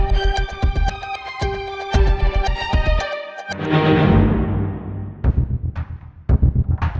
tidak ada yang bisa dipercaya